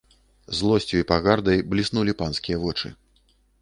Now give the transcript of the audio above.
Злосцю і пагардай бліснулі панскія вочы.